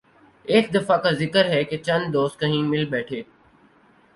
ایک دفعہ کا ذکر ہے کہ چند دوست کہیں مل بیٹھے